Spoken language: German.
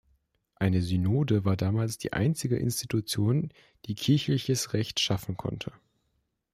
Eine Synode war damals die einzige Institution, die kirchliches Recht schaffen konnte.